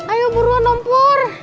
ayo buruan om pur